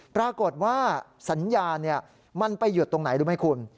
ปรากฏว่าสัญญาณมันไปหยุดตรงไหนรู้ไหมคุณ